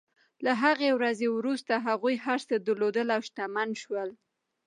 له هغې ورځې وروسته هغوی هر څه درلودل او شتمن شول.